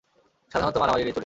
সাধারণত মারামারি এড়িয়ে চলি!